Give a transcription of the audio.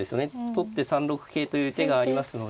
取って３六桂という手がありますので。